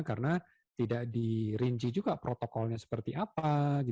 karena tidak dirinci juga protokolnya seperti apa